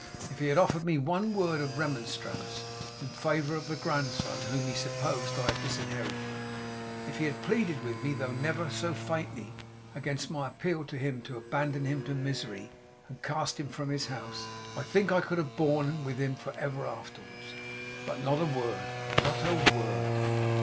If he had offered me one word of remonstrance, in favour of the grandson whom he supposed I had disinherited; if he had pleaded with me, though never so faintly, against my appeal to him to abandon him to misery and cast him from his house; I think I could have borne with him for ever afterwards. But not a word, not a word.